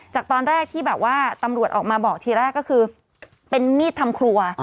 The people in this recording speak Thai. จากตอนแรกที่แบบว่าตำรวจออกมาบอกทีแรกก็คือเป็นมีดทำครัว